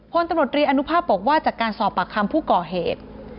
พลตำรวจรีอนุภาพบอกว่าจากการสอบปากคำผู้ก่อเหตุ